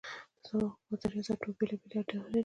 نظام او حکومت د ریاست دوه بېلابېلې اډانې دي.